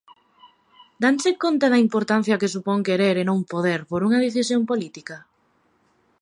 ¿Danse conta da importancia que supón querer e non poder por unha decisión política?